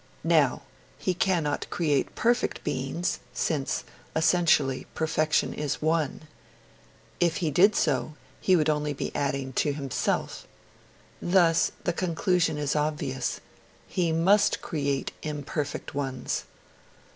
Now, He cannot create perfect beings, 'since, essentially, perfection is one'; if He did so, He would only be adding to Himself. Thus the conclusion is obvious: He must create imperfect ones.